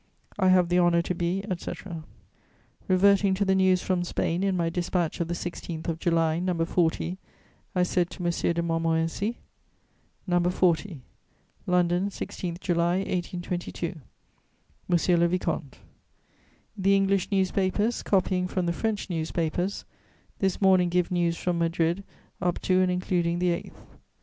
"I have the honour to be, etc." Reverting to the news from Spain in my dispatch of the 16th of July, No. 40, I said to M. de Montmorency: No. 40. "LONDON, 16 July 1822. "MONSIEUR LE VICOMTE, "The English newspapers, copying from the French newspapers, this morning give news from Madrid up to and including the 8th.